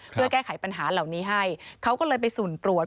เพื่อแก้ไขปัญหาเหล่านี้ให้เขาก็เลยไปสุ่มตรวจ